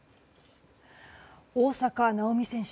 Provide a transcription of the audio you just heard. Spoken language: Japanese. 大坂なおみ選手